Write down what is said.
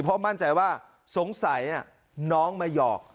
เพราะมั่นใจว่าสงสัยน้องมาหยอก